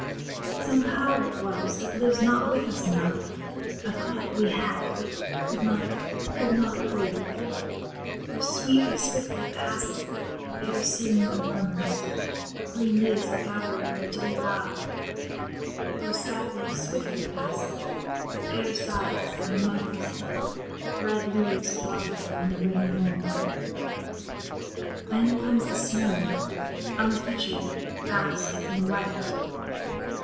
Some power it was, that lives not with us now, A thought we had, but could not, could not hold. O sweetly, swiftly pass'd: air sings and murmurs; Green leaves are gathering on the dewy bough; O sadly, swiftly pass'd: air sighs and mutters; Red leaves are dropping on the rainy mould. Then comes the snow, unfeatured, vast, and white.